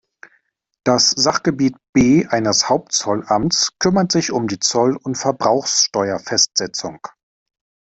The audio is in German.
Das Sachgebiet B eines Hauptzollamts kümmert sich um die Zoll- und Verbrauchsteuerfestsetzung.